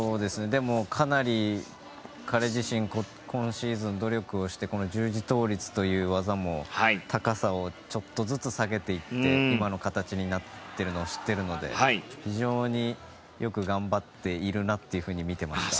でも、かなり彼自身今シーズン、努力をして十字倒立という技も高さをちょっとずつ下げていって今の形になっているのを知っているので非常によく頑張っているなと見ていました。